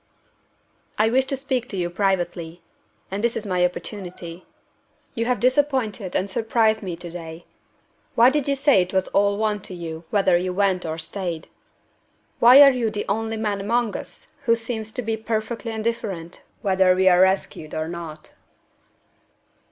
"I wish to speak to you privately; and this is my opportunity. You have disappointed and surprised me to day. Why did you say it was all one to you whether you went or stayed? Why are you the only man among us who seems to be perfectly indifferent whether we are rescued or not?"